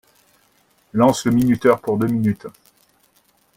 Lance le minuteur pour deux minutes.